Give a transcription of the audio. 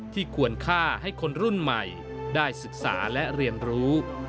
ควรฆ่าให้คนรุ่นใหม่ได้ศึกษาและเรียนรู้